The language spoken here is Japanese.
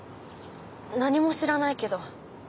何も知らないけど。